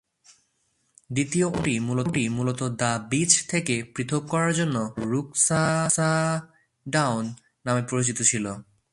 দ্বিতীয় উন্নয়ন পর্বটি মূলত দ্য বীচ থেকে পৃথক করার জন্য রুকসডাউন নামে পরিচিত ছিল।